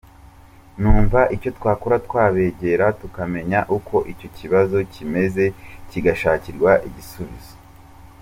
Numva icyo twakora twabegera tukamenya uko icyo kibazo kimeze kigashakirwa igisubizo.